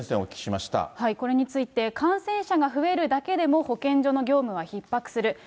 これについて、感染者が増えるだけでも保健所の業務はひっ迫する。